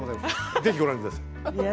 ぜひご覧ください。